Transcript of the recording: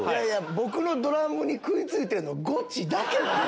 僕のドラムに食い付いてるのゴチだけ！